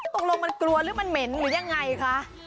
ตกลงมันกลัวหรือมันเหม็นหรือยังไงคะ